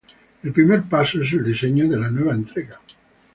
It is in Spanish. El primer paso es el diseño de la nueva entrega.